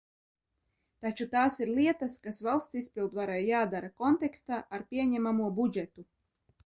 Taču tās ir lietas, kas valsts izpildvarai jādara kontekstā ar pieņemamo budžetu.